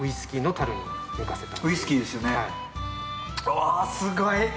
うわ、すごい！